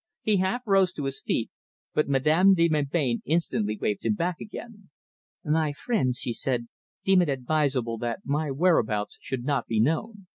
He half rose to his feet, but Madame de Melbain instantly waved him back again. "My friends," she said, "deem it advisable that my whereabouts should not be known.